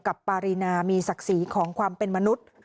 ปารีนามีศักดิ์ศรีของความเป็นมนุษย์